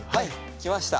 きました。